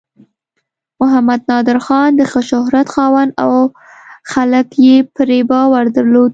محمد نادر خان د ښه شهرت خاوند و او خلک یې پرې باور درلود.